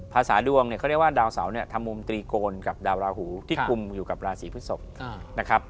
ภาษาดวงเนี่ยเขาเรียกว่าดาวเสาเนี่ยทำมุมตรีโกนกับดาวราหูที่คุมอยู่กับราศีพฤศพนะครับ